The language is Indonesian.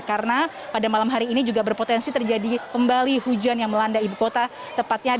karena pada malam hari ini juga berpotensi terjadi pembali hujan yang melanda ibu kota